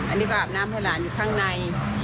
อันนี้ก็อาบน้ำให้หลานอยู่ข้างใน